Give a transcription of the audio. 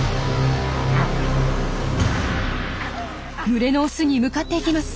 群れのオスに向かっていきます！